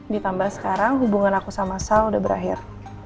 ditambah sekarang hubungan aku sama sal sudah berakhir